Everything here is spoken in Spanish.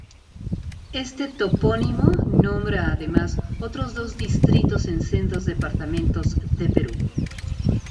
Este topónimo nombra además otros dos distritos en sendos departamentos de Perú.